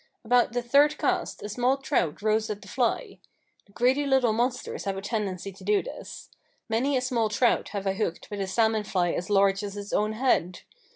About the third cast a small trout rose at the fly. The greedy little monsters have a tendency to do this. Many a small trout have I hooked with a salmon fly as large as its own head.